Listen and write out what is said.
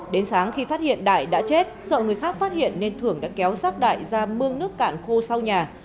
đến sáng khi phát hiện đại đã chết sợ người khác phát hiện nên thưởng đã kéo sát đại ra mương nước cạn khô sau nhà